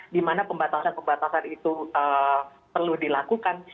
di mana pembatasan pembatasan itu perlu dilakukan